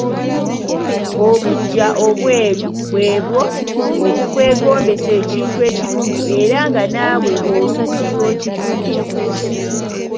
Obuggya obweru bw'ebo obukwegombesa ekintu ekirungi era nga naawe olubirira okifune.